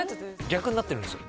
逆になってるんですよ